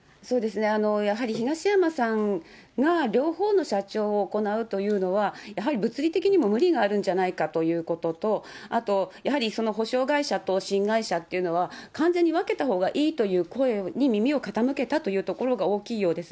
やはり東山さんが両方の社長を行うというのは、やはり物理的にも無理があるんじゃないかということと、あとやっぱりその補償会社と新会社っていうのは、完全に分けたほうがいいという声に耳を傾けたほうがいいということが大きいようです。